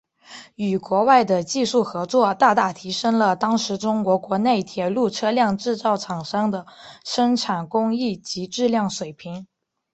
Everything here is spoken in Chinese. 与国外的技术合作大大提升了当时中国国内铁路车辆制造厂商的生产工艺及质量水平。